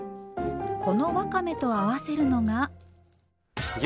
このわかめと合わせるのが。